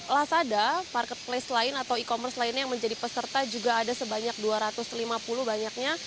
lasada marketplace lain atau e commerce lainnya yang menjadi peserta juga ada sebanyak dua ratus lima puluh banyaknya